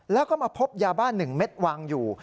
แล้วก็มาพบยาบ้าน๑เม็ดวางอยู่